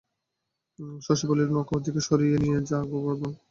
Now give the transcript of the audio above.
শশী বলিল, নৌকা ওদিকে সরিয়ে নিয়ে যা গোবর্ধন।